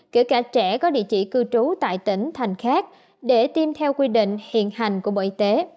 kể cả trẻ có địa chỉ cư trú tại tỉnh thành khác để tiêm theo quy định hiện hành của bộ y tế